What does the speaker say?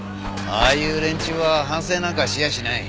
ああいう連中は反省なんかしやしない。